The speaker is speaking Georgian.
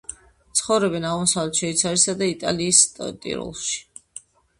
ცხოვრობენ აღმოსავლეთ შვეიცარიის და იტალიის ტიროლში.